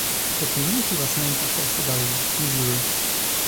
The community was named after Sedalia, Missouri.